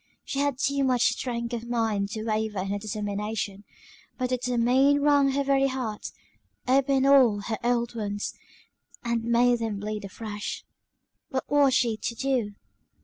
She had too much strength of mind to waver in her determination but to determine wrung her very heart, opened all her old wounds, and made them bleed afresh. What was she to do?